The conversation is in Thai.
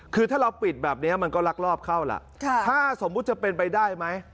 คือถ้าเราปิดแบบนี้มันก็ลักลอบเข้าล่ะถ้าสมมุติจะเป็นไปได้ไหม